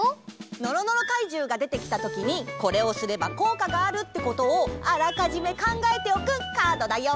のろのろかいじゅうがでてきたときにこれをすればこうかがあるってことをあらかじめ考えておくカードだよ。